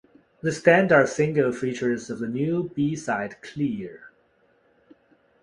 The standard single features the new B-side "Clear".